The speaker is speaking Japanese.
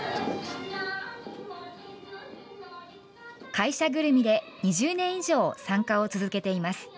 会社ぐるみで２０年以上、参加を続けています。